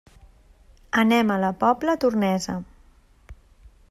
Anem a la Pobla Tornesa.